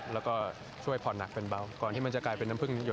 แล้วก็ช่วยพอดหนักเป็นเบาเพื่อก่อนที่จะกลายเป็นน้ำพึ่งหยดดลิ้ว